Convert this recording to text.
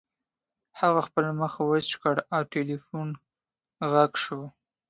هغه خپل مخ وچ کړ او د ټیلیفون غږ شو